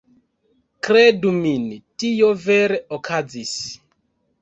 Kredu min, tio vere okazis.